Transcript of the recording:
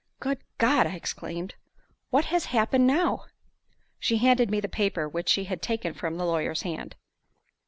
"Good God!" I exclaimed, "what has happened now?" She handed me the paper which she had taken from the lawyer's hand.